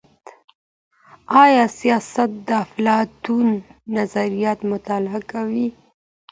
آیا سیاست د افلاطون نظریات مطالعه کوي؟